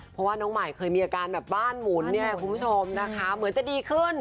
เพราะว่าน้องใหม่เคยมีอาการแบบบ้านหมุนเนี่ยคุณผู้ชมนะคะเหมือนจะดีขึ้น